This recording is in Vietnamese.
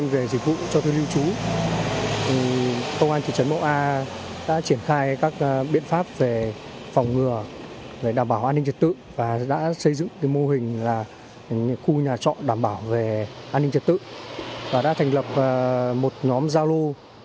và đảm bảo bảo vệ an ninh trật tự